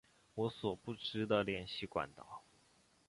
我所不知的联系管道